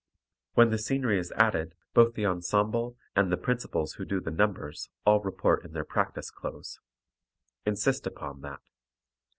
When the scenery is added, both the ensemble and the principals who do the numbers all report in their practice clothes. Insist upon that.